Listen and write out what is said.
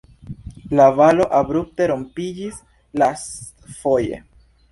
La valo abrupte rompiĝis lastfoje.